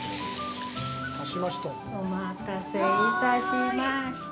お待たせいたしました。